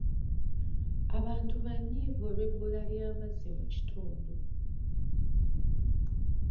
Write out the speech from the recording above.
Abantu banyiivu olw'ebbula ly'amazzi mu kitundu.